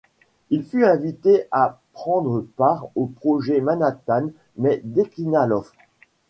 Il fut invité à prendre part au projet Manhattan mais déclina l'offre.